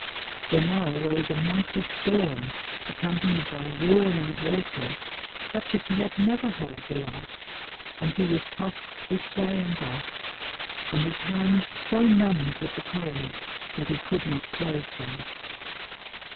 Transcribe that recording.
There now arose a mighty storm, accompanied by roaring of waters, such as he had never heard the like, and he was tossed this way and that, and his hands so numbed with the cold that he could not close them.